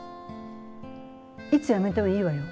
いつ辞めてもいいわよ。